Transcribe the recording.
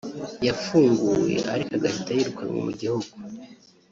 yafunguwe ariko agahita yirukanwa mu gihugu